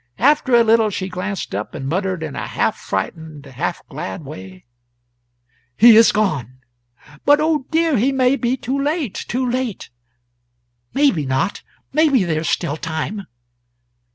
After a little she glanced up and muttered in a half frightened, half glad way "He is gone! But, oh dear, he may be too late too late ... Maybe not maybe there is still time."